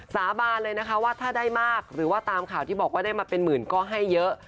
สาบานเลยนะคะว่าถ้าได้มากหรือว่าตามข่าวที่บอกว่าได้มาเป็นหมื่นก็ให้เยอะ